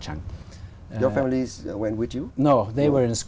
những người thích